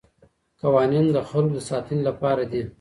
قوانین د خلګو د ساتنې لپاره دي.